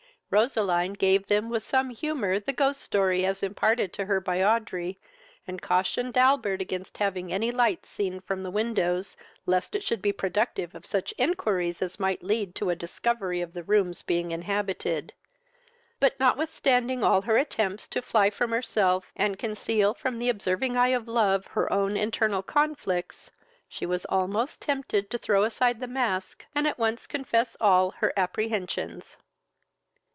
Roseline gave them with some humour the ghost story, as imparted to her by Audrey, and cautioned Albert against having any lights seen from the windows, lest it should be productive of such inquiries as might lead to a discovery of the rooms being inhabited; but, notwithstanding all her attempts to fly from herself, and conceal from the observing eye of love her own internal conflicts, she was almost tempted to throw aside the mask, and at once confess all her apprehensions.